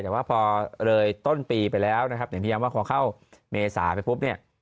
แต่ว่าพอเลยต้นปีไปแล้วนะครับอย่างที่ย้ำว่าพอเข้าเมษาไปปุ๊บเนี่ย